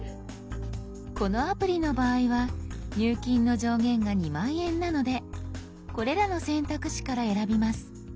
このアプリの場合は入金の上限が２０，０００円なのでこれらの選択肢から選びます。